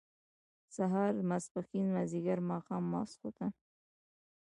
سهار ، ماسپښين، مازيګر، ماښام ، ماسخوتن